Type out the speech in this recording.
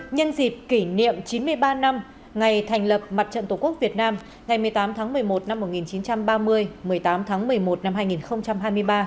nhân dịp kỷ niệm chín mươi ba năm ngày thành lập mặt trận tổ quốc việt nam ngày một mươi tám tháng một mươi một năm một nghìn chín trăm ba mươi một mươi tám tháng một mươi một năm hai nghìn hai mươi ba